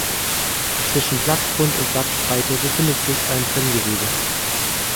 Zwischen Blattgrund und Blattspreite befindet sich ein Trenngewebe.